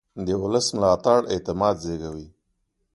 د ولس ملاتړ اعتماد زېږوي